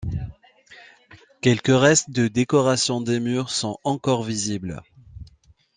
Quelques restes de décorations des murs sont encore visibles.